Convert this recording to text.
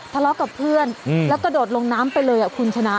ทะเลาะกับเพื่อนแล้วกระโดดลงน้ำไปเลยคุณชนะ